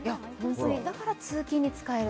だから通勤に使える。